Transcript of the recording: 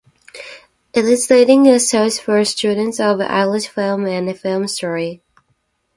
It is the leading resource for students of Irish film and film history.